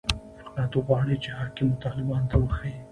فقط غواړي چې حاکمو طالبانو ته وښيي.